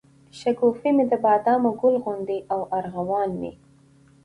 شګوفې مي دبادامو، ګل غونډۍ او ارغوان مي